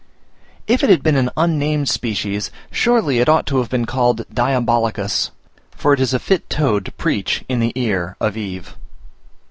If it had been an unnamed species, surely it ought to have been called Diabolicus, for it is a fit toad to preach in the ear of Eve.